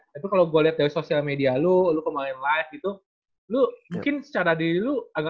tapi kalau gue liat dari sosial media lu lu kemarin live gitu lu mungkin secara diri lu agak tertutup ya kalau misalnya